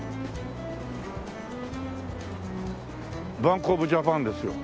バンクオブジャパンですよ。